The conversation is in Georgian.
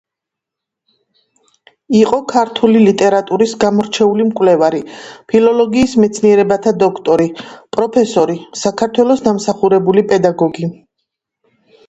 იყო ქართული ლიტერატურის გამორჩეული მკვლევარი, ფილოლოგიის მეცნიერებათა დოქტორი, პროფესორი, საქართველოს დამსახურებული პედაგოგი.